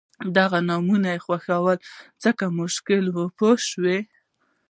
د دغو نومونو خوښول ځکه مشکل وو پوه شوې!.